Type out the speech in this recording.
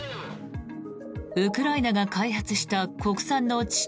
ウクライナが開発した国産の地